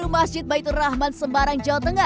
masjid baitur rahman semarang